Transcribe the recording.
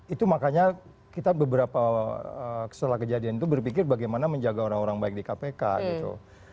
itu makanya kita beberapa setelah kejadian itu berpikir bagaimana menjaga orang orang baik di kpk gitu